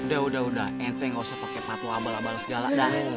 udah udah udah ente gak usah pake patuh abal abal segala dan